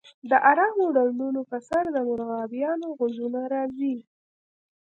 د ارامو ډنډونو په سر د مرغابیانو غږونه راځي